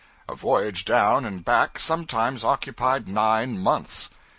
A voyage down and back sometimes occupied nine months.